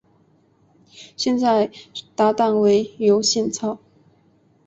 现在搭档为尤宪超。